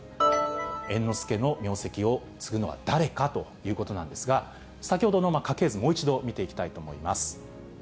猿之助の名跡を継ぐのは誰かということなんですが、先ほどの家系図、もう一度見ていきたいと思います。